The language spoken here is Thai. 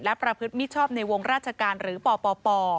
และประพฤติมิชชอบในวงราชการหรือปป